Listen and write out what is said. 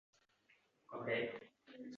Otash yanglig’ Isyon bor.